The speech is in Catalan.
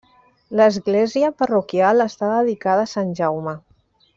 L'església parroquial està dedicada a Sant Jaume.